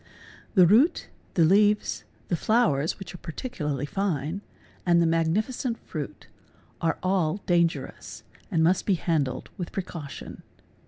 The root, the leaves, the flowers ; which are particularly fine, and the magnificent fruit, are all danger ous and must be handled with precaution.